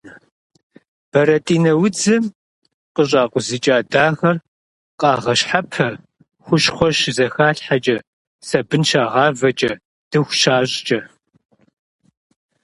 Бэрэтӏинэ удзым къыщӏакъузыкӏа дагъэр къагъэщхьэпэ хущхъуэ щызэхалъхьэкӏэ, сабын щагъавэкӏэ, дыху щащӏкӏэ.